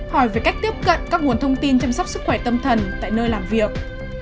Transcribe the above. hỏi về cách tiếp cận các nguồn thông tin chăm sóc sức khỏe tâm thần tại nơi làm việc